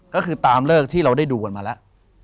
ก็คือตามเลิกที่เราได้ดูกันมาแล้ว